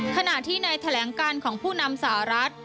ขณะที่ในแถลงการของผู้นำสหรัฐ